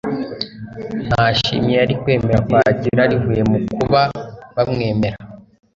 Nta shimwe yari kwemera kwakira rivuye mu kuba bamwemera